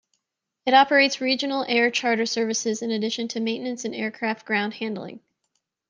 It operates regional air charter services in addition to maintenance and aircraft ground handling.